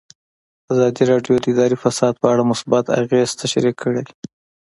ازادي راډیو د اداري فساد په اړه مثبت اغېزې تشریح کړي.